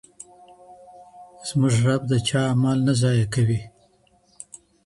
زموږ رب د چا اعمال نه ضايع کوي؟